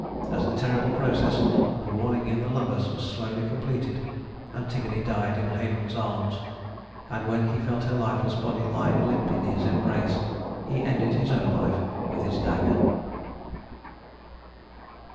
As the terrible process of walling in the lovers was slowly completed, Antigone died in Hæmon's arms; and when he felt her lifeless body lying limp in his embrace, he ended his own life with his dagger.